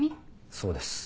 そうです。